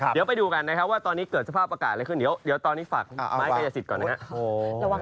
เดี๋ยวไปดูกันนะครับว่าตอนนี้เกิดสภาพอากาศอะไรขึ้นเดี๋ยวตอนนี้ฝากไม้กายสิทธิก่อนนะครับ